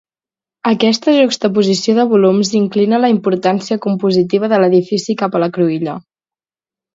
Aquesta juxtaposició de volums inclina la importància compositiva de l'edifici cap a la cruïlla.